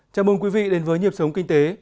chào mừng quý vị đến với nhịp sống kinh tế